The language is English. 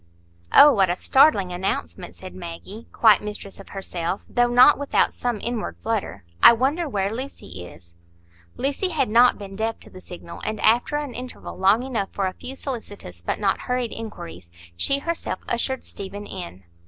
"Oh, what a startling announcement!" said Maggie, quite mistress of herself, though not without some inward flutter. "I wonder where Lucy is." Lucy had not been deaf to the signal, and after an interval long enough for a few solicitous but not hurried inquiries, she herself ushered Stephen in.